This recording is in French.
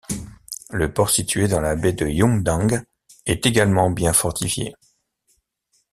Le port situé dans la baie de Yundang est également bien fortifié.